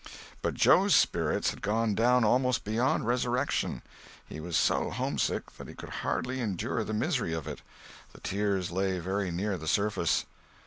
But Joe's spirits had gone down almost beyond resurrection. He was so homesick that he could hardly endure the misery of it. The tears lay very near the surface.